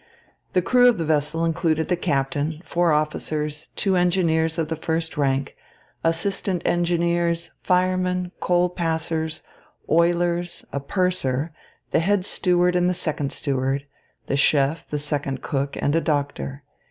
The crew of the vessel included the captain, four officers, two engineers of the first rank, assistant engineers, firemen, coal passers, oilers, a purser, the head steward and the second steward, the chef, the second cook, and a doctor.